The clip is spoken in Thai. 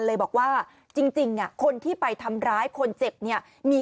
แล้วผมก็เลยเรียกเพื่อนมารับผมให้ฝากผมกลับบ้านอะไรอย่างนี้